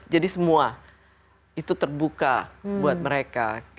jadi semua itu terbuka buat mereka